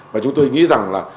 và chúng tôi nghĩ rằng là